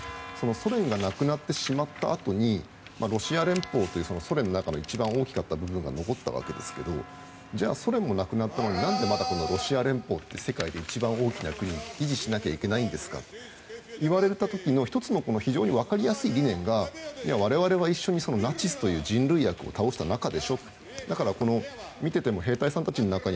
ソ連がなくなってしまったあとにロシア連邦というソ連の中で一番大きかった部分が残ったわけですけれどもじゃあ、ソ連もなくなったのにまだロシア連邦って世界で一番大きな国を維持しないといけないんですかと言われた時に１つの非常に分かりやすい理念が我々は一緒にナチスという人類悪を倒した仲でしょ。